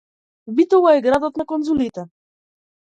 Битола е градот на конзулите.